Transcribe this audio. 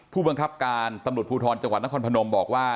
ผู้บังคับการตำรวจภูทรจังหวัดนครพนมบอกว่า